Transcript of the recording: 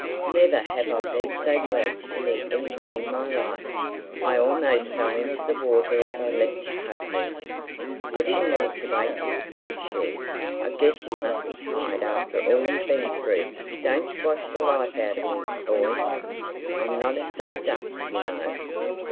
Never have I been so glad to see any one in my life. I almost fell into the water as I leapt to hug her. "I didn't want to wake you," said she. "I guessed you must be tired after all you've been through—Don't squash the life out of me, boy: I'm not a stuffed duck, you know."